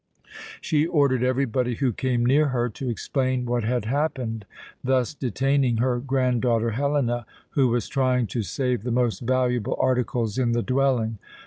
She ordered everybody who came near her to explain what had happened, thus detaining her granddaughter Helena, who was trying to save the most valuable articles in the dwelling.